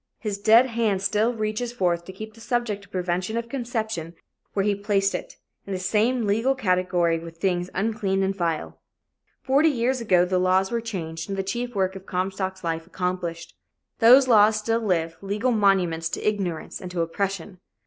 His dead hand still reaches forth to keep the subject of prevention of conception where he placed it in the same legal category with things unclean and vile. Forty years ago the laws were changed and the chief work of Comstock's life accomplished. Those laws still live, legal monuments to ignorance and to oppression.